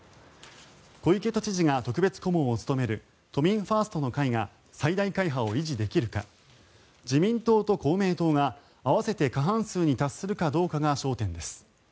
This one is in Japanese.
小池都知事が特別顧問を務める都民ファーストの会が最大会派を維持できるか自民党と公明党が合わせて過半数に達するかどうかが焦点です。